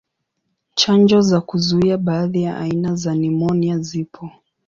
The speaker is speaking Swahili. Chanjo za kuzuia baadhi ya aina za nimonia zipo.